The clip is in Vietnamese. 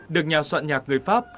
được nhà soạn nhạc người pháp